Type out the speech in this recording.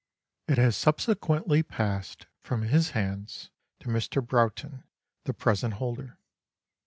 It has subsequently passed from his hands to Mr. Broughton, the present holder.